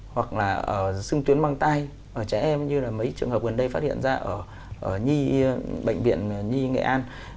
hoặc là ở xương tuyến băng tay ở trẻ em như là mấy trường hợp gần đây phát hiện ra ở bệnh viện nhi nghệ an